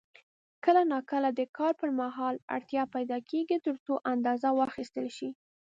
کله نا کله د کار پر مهال اړتیا پیدا کېږي ترڅو اندازه واخیستل شي.